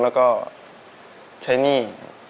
แล้วก็ใช้หนี้